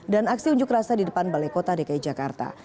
dan aksi unjuk rasa di depan balai kota dki jakarta